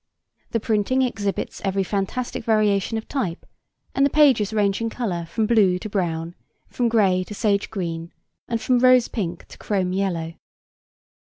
The printing exhibits every fantastic variation of type, and the pages range in colour from blue to brown, from grey to sage green and from rose pink to chrome yellow.